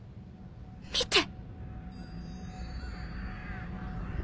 見て。